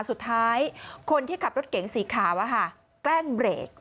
สุดท้ายคนที่ขับรถเก๋งสีขาวแกล้งเบรก